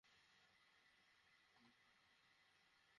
আর পরে তারা বিয়ে করেছিল।